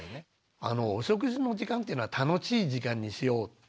お食事の時間っていうのは楽しい時間にしよう。